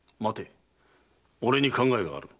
俺に考えがある。